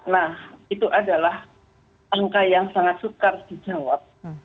nah itu adalah angka yang sangat sukar dijawab